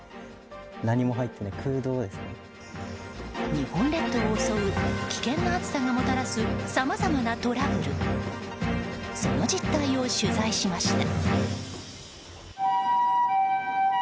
日本列島を襲う危険な暑さがもたらすさまざまなトラブルその実態を取材しました。